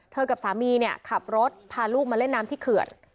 เธอกับสามีขับรถพาลูกมาเล่นน้ำที่เขื่อน